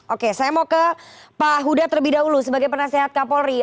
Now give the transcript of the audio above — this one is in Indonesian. oke saya mau ke pak huda terlebih dahulu sebagai penasehat kapolri